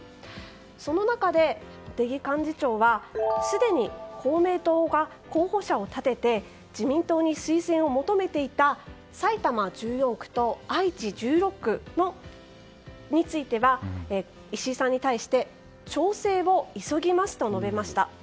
その中で茂木幹事長はすでに公明党が候補者を立てて自民党に推薦を求めていた埼玉１４区と愛知１６区については石井さんに対して調整を急ぎますと述べました。